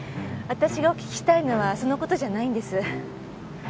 私がお聞きしたいのはその事じゃないんです。